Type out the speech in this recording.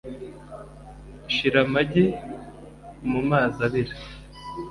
Shira amagi mumazi abira.